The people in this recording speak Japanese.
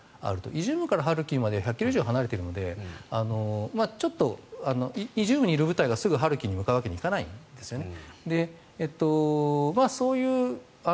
イジュームからハルキウまでは１００ｋｍ以上離れているのでちょっとイジュームにいる部隊がすぐハルキウに向かうわけにはいかないんですね。